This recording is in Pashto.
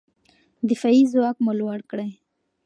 دفاعي ځواک مو لوړ کړئ.